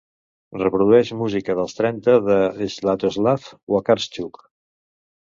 Reprodueix música dels trenta de Swjatoslaw Wakartschuk.